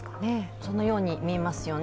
そのように見えますよね。